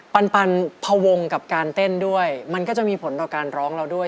ปันพวงกับการเต้นด้วยมันก็จะมีผลต่อการร้องเราด้วย